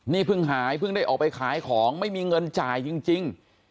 นี่เพิ่งหายเพิ่งได้ออกไปขายของไม่มีเงินจ่ายจริง